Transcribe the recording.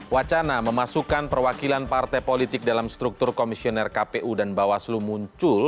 wacana memasukkan perwakilan partai politik dalam struktur komisioner kpu dan bawaslu muncul